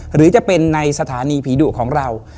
หรือจะเป็นในสถานีผีดุของเรา